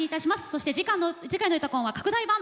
そして次回の「うたコン」は拡大版！